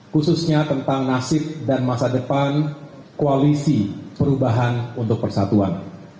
khususnya tentang nasib dan masa depan koalisi perubahan untuk persatuan